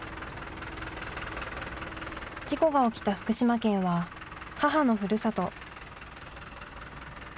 事故が起きた福島県は母のふるさと。